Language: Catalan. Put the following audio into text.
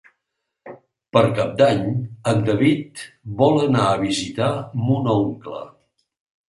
Per Cap d'Any en David vol anar a visitar mon oncle.